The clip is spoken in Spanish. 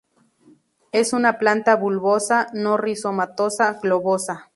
Es una planta bulbosa no rizomatosa, globosa.